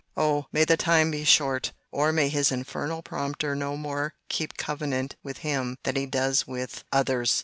Oh! may the time be short!—or may his infernal prompter no more keep covenant with him than he does with others!